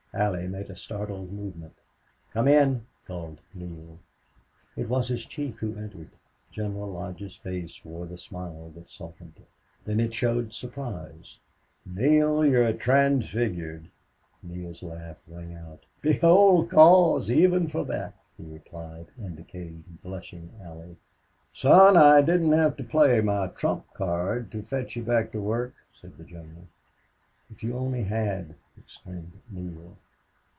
Allie made a startled movement. "Come in," called Neale. It was his chief who entered. General Lodge's face wore the smile that softened it. Then it showed surprise. "Neale, you're transfigured!" Neale's laugh rang out. "Behold cause even for that," he replied, indicating the blushing Allie. "Son, I didn't have to play my trump card to fetch you back to work," said the general. "If you only had!" exclaimed Neale.